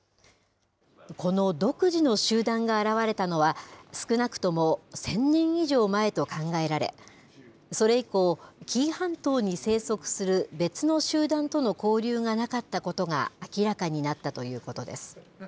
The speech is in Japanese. この独自の集団が現れたのは、少なくとも１０００年以上前と考えられ、それ以降、紀伊半島に生息する別の集団との交流がなかったことが明らかになったということです。